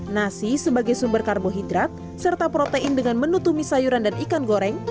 nasi sebagai sumber karbohidrat serta protein dengan menu tumis sayuran dan ikan goreng